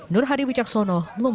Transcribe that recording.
nur hadi wijaksono lumajang